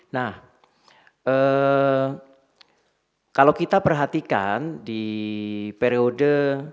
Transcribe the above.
nah kalau kita perhatikan di periode